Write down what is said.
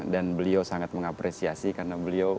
dan beliau sangat mengapresiasi karena beliau